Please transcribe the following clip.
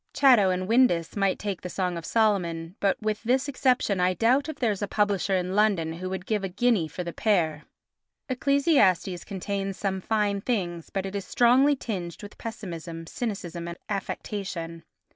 Chatto and Windus might take the Song of Solomon, but, with this exception, I doubt if there is a publisher in London who would give a guinea for the pair. Ecclesiastes contains some fine things but is strongly tinged with pessimism, cynicism and affectation.